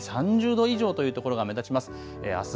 ３０度以上という所が目立ちます。